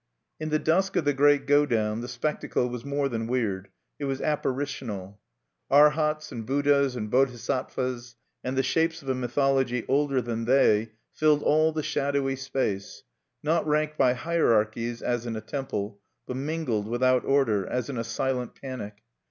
In the dusk of the great go down the spectacle was more than weird: it was apparitional. Arhats and Buddhas and Bodhisattvas, and the shapes of a mythology older than they, filled all the shadowy space; not ranked by hierarchies, as in a temple, but mingled without order, as in a silent panic.